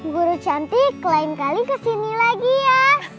guru cantik lain kali kesini lagi ya